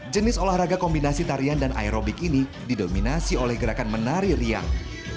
jenis olahraga kombinasi tarian dan aerobik ini didominasi oleh gerakan menari riang